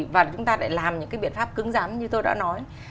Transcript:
và chúng ta lại làm những cái biện pháp cứng rắn như tôi đã nói